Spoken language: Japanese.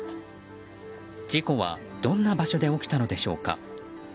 事故はどんな場所で起きたのでしょうか。